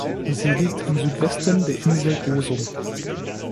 Sie liegt im Südwesten der Insel Gozo.